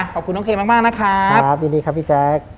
ขอบคุณน้องเคมากนะครับคุณพี่แจ็คครับยินดีครับพี่แจ็ค